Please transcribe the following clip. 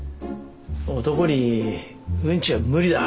男にうんちは無理だ。